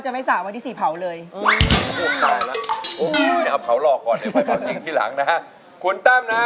เชิญขึ้นมา